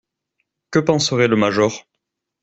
Que penserait le major?